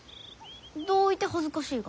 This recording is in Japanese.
どういて恥ずかしいが？